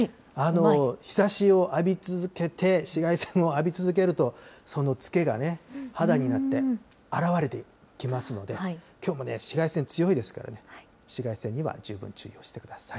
日ざしを浴び続けて、紫外線を浴び続けると、その付けがね、肌になって表れてきますので、きょうもね、紫外線強いですからね、紫外線には十分注意をしてください。